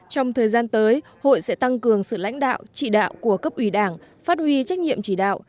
trong thời gian tới hội sẽ tăng cường sự lãnh đạo trị đạo của cấp ủy đảng phát huy trách nhiệm chỉ đạo